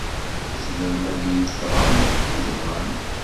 Tzemrem ad iyi-d-teɣrem, ma tebɣam.